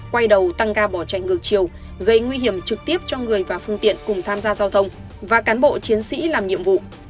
quay đầu tăng ga bỏ chạy ngược chiều gây nguy hiểm trực tiếp cho người và phương tiện cùng tham gia giao thông và cán bộ chiến sĩ làm nhiệm vụ